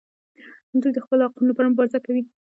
دوی د خپلو حقونو لپاره مبارزه کوي.